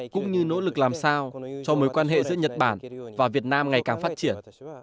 cũng như nỗ lực làm sao cho mối quan hệ giữa nhật bản và việt nam ngày càng phát triển